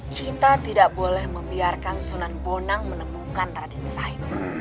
kita tidak boleh membiarkan sunan bonang menemukan raden said